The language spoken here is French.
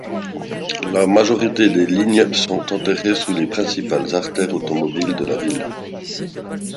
La majorité des lignes sont enterrées sous les principales artères automobiles de la ville.